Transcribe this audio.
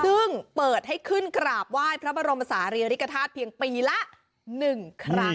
ซึ่งเปิดให้ขึ้นกราบไหว้พระบรมศาลีริกฐาตุเพียงปีละ๑ครั้ง